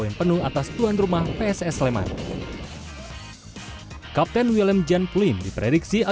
di situ situ mereka dekat dengan tujuan kita